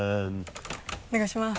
お願いします。